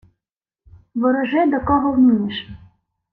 — Ворожи, до кого вмієш.